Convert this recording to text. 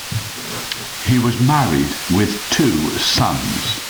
He was married with two sons.